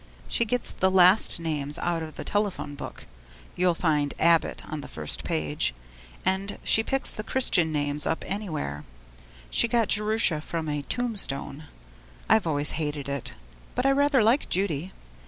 She gets the last names out of the telephone book you'll find Abbott on the first page and she picks the Christian names up anywhere; she got Jerusha from a tombstone. I've always hated it; but I rather like Judy.